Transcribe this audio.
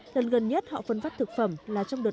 lần gần nhất họ phân phát thực phẩm là trang truyền